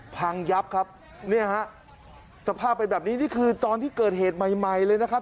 พังยับครับเนี่ยฮะสภาพเป็นแบบนี้นี่คือตอนที่เกิดเหตุใหม่ใหม่เลยนะครับ